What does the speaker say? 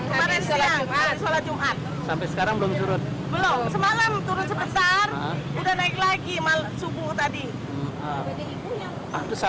berdasarkan informasi dari bpbd kota bekasi sedikitnya ada dua puluh enam titik genangan di dua belas kecamatan di kota bekasi